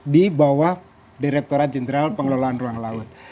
di bawah direkturat jenderal pengelolaan ruang laut